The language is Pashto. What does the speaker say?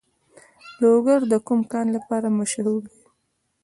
لوګر د کوم کان لپاره مشهور دی؟